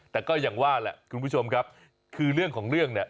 แต่ก็อย่างว่าแหละคุณผู้ชมครับคือเรื่องของเรื่องเนี่ย